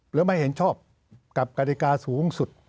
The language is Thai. ไม่เห็นชอบกับกฎิกาสูงสุด